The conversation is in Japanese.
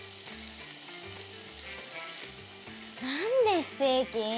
なんでステーキ？